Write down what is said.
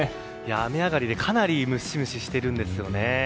雨上がりでかなりムシムシしてるんですよね。